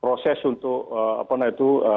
proses untuk apa nah itu